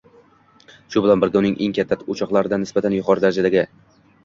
shu bilan birga, uning eng katta o‘choqlari nisbatan yuqori darajadagi